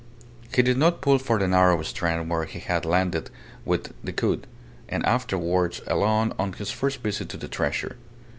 He did not pull for the narrow strand where he had landed with Decoud, and afterwards alone on his first visit to the treasure.